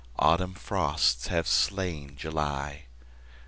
Autumn frosts have slain July.